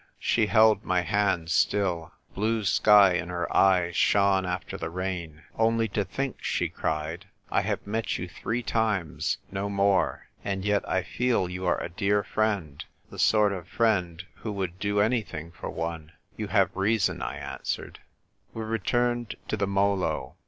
She held my hand still ; blue sky in her eyes shone after the rain. " Only to think," she cried, " I have met you three times — no more ; and yet I feel you are a dear friend — the sort of friend who would do anything for one." "You have reason," I answered. We returned to the Molo.